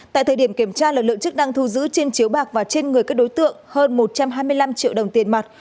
tại thời điểm kiểm tra lực lượng chức năng thu giữ trên chiếu bạc và trên người các đối tượng hơn một trăm hai mươi năm triệu đồng tiền mặt